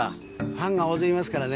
ファンが大勢いますからね。